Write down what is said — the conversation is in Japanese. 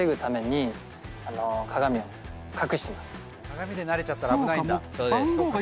鏡で慣れちゃったら危ないんだ。